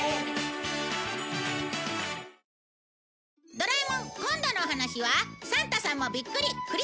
『ドラえもん』今度のお話はサンタさんもビックリ！